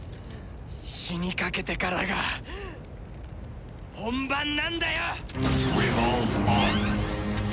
死にかけてからが本番なんだよ！